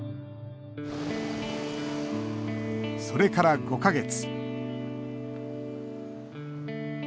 それから５か月。